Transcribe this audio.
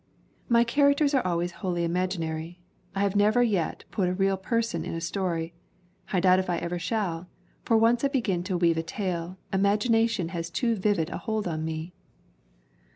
"My characters are always wholly imaginary. I have never yet put a real person in a story. I doubt if I ever shall, for once I begin to weave a tale, imag ination has too vivid a hold on me."